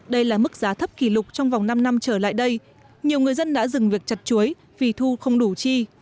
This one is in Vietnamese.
đây là mức giá thấp kỷ lục trong vòng năm năm trở lại đây nhiều người dân đã dừng việc chặt chuối vì thu không đủ chi